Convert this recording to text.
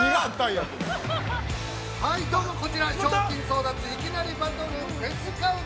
◆はい、どうも、こちら賞金争奪いきなりバトル。